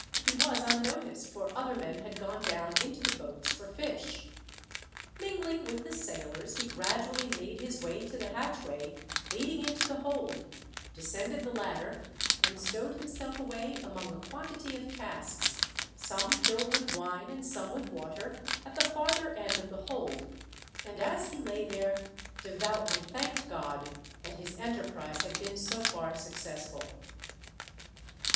He was unnoticed, for other men had gone down into the boats for fish. Mingling with the sailors, he gradually made his way to the hatchway leading into the hold, descended the ladder, and stowed himself away among a quantity of casks, some filled with wine and some with water, at the farther end of the hold; and as he lay there devoutly thanked God that his enterprise had been so far successful.